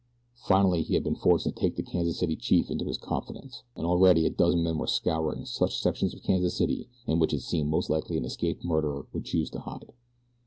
Finally he had been forced to take the Kansas City chief into his confidence, and already a dozen men were scouring such sections of Kansas City in which it seemed most likely an escaped murderer would choose to hide.